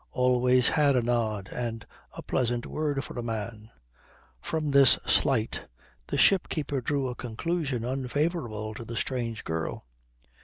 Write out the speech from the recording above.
Always had a nod and a pleasant word for a man. From this slight the ship keeper drew a conclusion unfavourable to the strange girl.